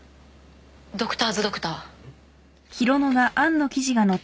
ドクターズ・ドクター。